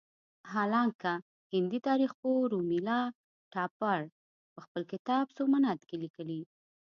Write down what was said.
حالانکه هندي تاریخ پوه رومیلا تاپړ په خپل کتاب سومنات کې لیکلي.